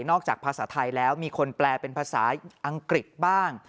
จากภาษาไทยแล้วมีคนแปลเป็นภาษาอังกฤษบ้าง